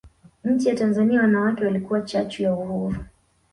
nchi ya Tanzania wanawake walikuwa chachu ya uhuru